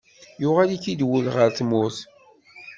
Yuɣal-ik-id wul ɣer tmurt.